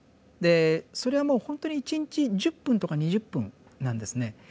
でそれはもうほんとに一日１０分とか２０分なんですね。